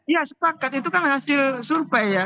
ya sepakat itu kan hasil survei ya